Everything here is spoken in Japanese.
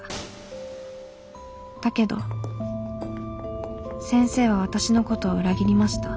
だけど先生は私のことを裏切りました」。